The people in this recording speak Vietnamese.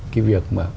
cái việc mà